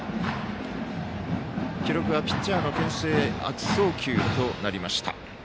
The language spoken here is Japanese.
記録はピッチャーのけん制悪送球となりました。